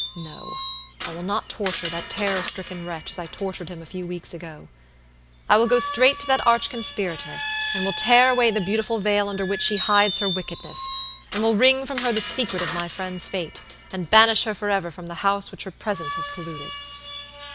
No; I will not torture that terror stricken wretch as I tortured him a few weeks ago. I will go straight to that arch conspirator, and will tear away the beautiful veil under which she hides her wickedness, and will wring from her the secret of my friend's fate, and banish her forever from the house which her presence has polluted."